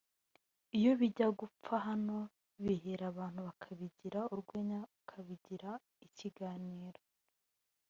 iyo bijya gupfa naho bihera abantu bakabigira urwenya ukabigira ikiganiro